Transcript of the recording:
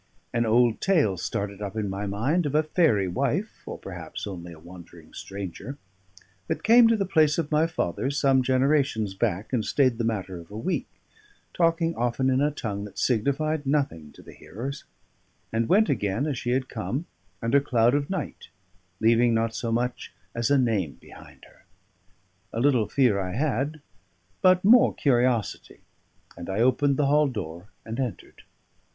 An old tale started up in my mind of a fairy wife (or perhaps only a wandering stranger), that came to the place of my fathers some generations back, and stayed the matter of a week, talking often in a tongue that signified nothing to the hearers; and went again, as she had come, under cloud of night, leaving not so much as a name behind her. A little fear I had, but more curiosity; and I opened the hall door, and entered.